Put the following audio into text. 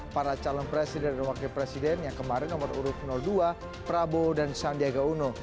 para calon presiden dan wakil presiden yang kemarin nomor urut dua prabowo dan sandiaga uno